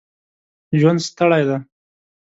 ژوند ستړی دی.